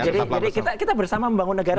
jadi kita bersama membangun negara